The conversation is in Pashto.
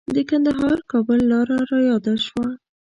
د کندهار-کابل لاره رایاده شوه.